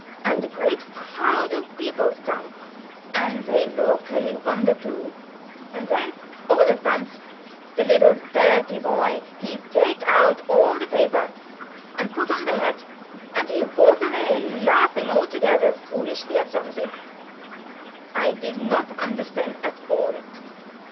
And a great growd of beoples com, and zey look and vonder too. And zen all at once de leedle dirty boy he take out all de paper and put on de hat, and he valk avay, laughing altogetter foolishly at zomzing I did not understand at all.